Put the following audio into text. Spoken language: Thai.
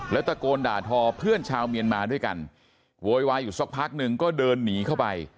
แล้วตะโกนด่าทอเพื่อนชาวเมียนมาด้วยกันโวยวายอยู่สักพักหนึ่งก็เดินหนีเข้าไป